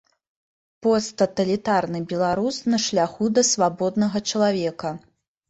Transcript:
Посттаталітарны беларус на шляху да свабоднага чалавека.